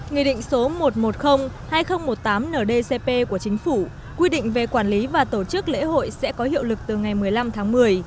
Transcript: nghị định số một trăm một mươi hai nghìn một mươi tám ndcp của chính phủ quy định về quản lý và tổ chức lễ hội sẽ có hiệu lực từ ngày một mươi năm tháng một mươi